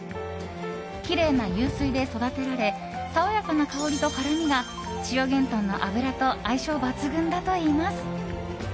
きれいな湧水で育てられ爽やかな香りと辛みが千代幻豚の脂と相性抜群だといいます。